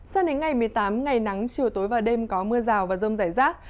sang đến ngày một mươi tám ngày nắng chiều tối và đêm có mưa rào và rông rải rác